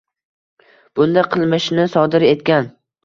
Bunda qilmishni sodir etgan